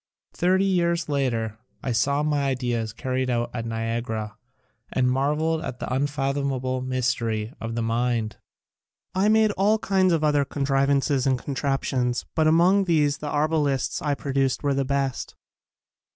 Thirty years later I saw my ideas carried out at Niagara and marveled at the un fathomable mystery of the mind. I made all kinds of other contrivances and contraptions but among these the ar balists I produced were the best.